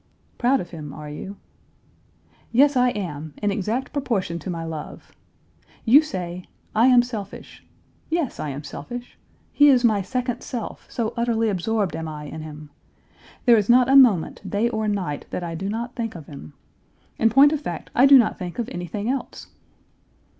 'Proud of him, are you?' Yes, I am, in exact proportion to my love. You say, ' I am selfish.' Yes, I am selfish. He is my second self, so utterly absorbed am I in him. There is not a moment, day or night, that I do not think of him. In point of fact, I do not think of anything else."